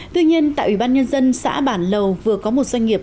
tuy nhiên tại ủy ban nhân dân xã bản lầu vừa có một doanh nghiệp